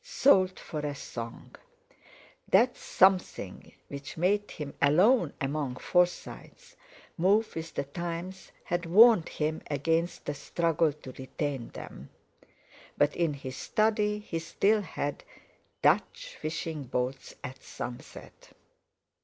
Sold for a song! That something which made him, alone among Forsytes, move with the times had warned him against the struggle to retain them. But in his study he still had "Dutch Fishing Boats at Sunset."